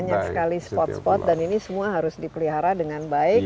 banyak sekali spot spot dan ini semua harus dipelihara dengan baik